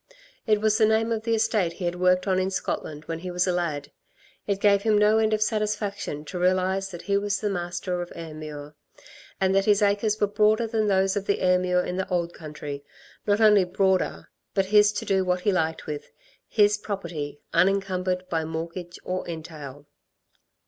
It was the name of the estate he had worked on in Scotland when he was a lad. It gave him no end of satisfaction to realise that he was the master of "Ayrmuir," and that his acres were broader than those of the "Ayrmuir" in the old country; not only broader, but his to do what he liked with his property, unencumbered by mortgage or entail.